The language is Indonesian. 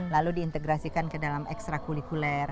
lalu diintegrasikan ke dalam ekstra kulikuler